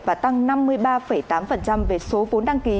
và tăng năm mươi ba tám về số vốn đăng ký